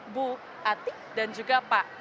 bu atik dan juga pak